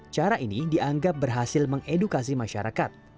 cara ini dianggap berhasil mengedukasi masyarakat